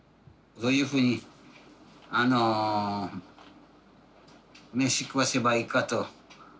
どういうふうにあの飯食わせばいいかと。